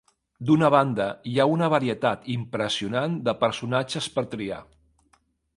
D'una banda, hi ha una varietat impressionant de personatges per triar.